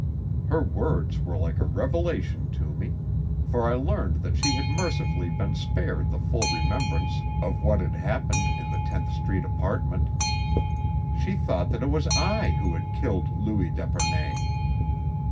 Her words were a revelation to me, for I learned that she had mercifully been spared the full remembrance of what had happened in the Tenth Street apartment. She thought that it was I who had killed Louis d'Epernay.